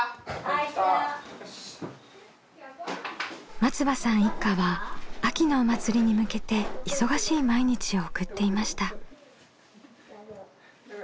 松場さん一家は秋のお祭りに向けて忙しい毎日を送っていました。